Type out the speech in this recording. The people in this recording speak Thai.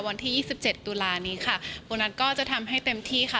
วันที่๒๗ตุลานี้ค่ะโบนัสก็จะทำให้เต็มที่ค่ะ